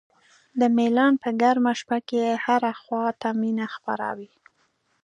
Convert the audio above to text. د میلان په ګرمه شپه کې هره خوا ته مینه خپره وي.